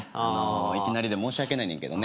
いきなりで申し訳ないねんけどね。